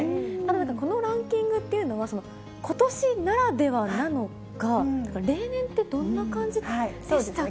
このランキングというのは、ことしならではなのか、例年って、どんな感じでしたっけ。